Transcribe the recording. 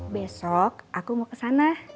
besok aku mau kesana